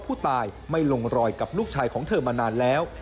ผู้ตายไม่ลงรอยกับลูกชายของเธอมานานแล้ว